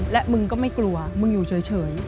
และมึงก็ไม่กลัวมึงอยู่เฉย